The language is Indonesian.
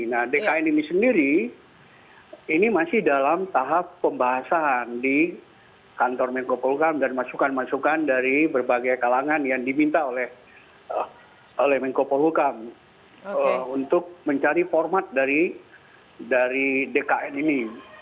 nah dkn ini sendiri ini masih dalam tahap pembahasan di kantor menko polkam dan masukan masukan dari berbagai kalangan yang diminta oleh menko polhukam untuk mencari format dari dkn ini